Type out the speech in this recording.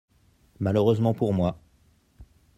Malheureusement pour moi.